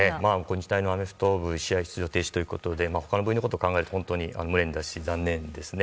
日大のアメフト部は試合出場停止ということでほかの部員のことを考えると無念で残念ですね。